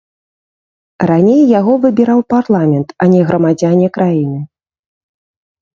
Раней яго выбіраў парламент, а не грамадзяне краіны.